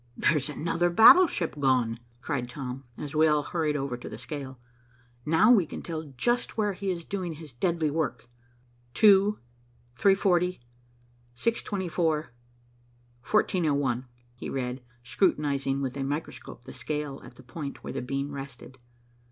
There's another battleship gone," cried Tom, as we all hurried over to the scale. "Now we can tell just where he is doing his deadly work. 2, 340, 624. 1401" he read, scrutinizing with a microscope the scale at the point where the beam rested.